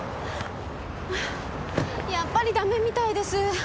やっぱりダメみたいです。